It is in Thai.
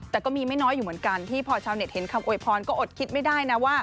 แต่ก็มีไม่น้อยอยู่เหมือนกันที่พอชาวเน็ตเห็นคำโวยพรก็อดคิดไม่ได้นะว่า